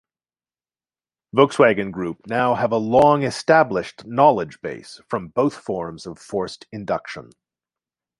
Volkswagen Group now have a long-established 'knowledge base' from both forms of forced induction.